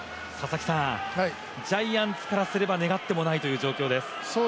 ジャイアンツからすれば願ってもないという状況です。